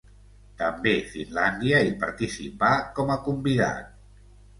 També Finlàndia hi participà com a convidat.